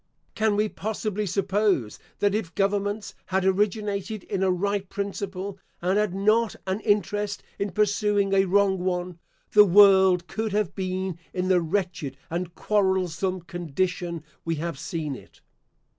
Can we possibly suppose that if governments had originated in a right principle, and had not an interest in pursuing a wrong one, the world could have been in the wretched and quarrelsome condition we have seen it?